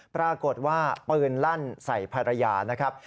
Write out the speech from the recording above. ปรากฏว่าปืนลั่นใส่ภรรยานะครับ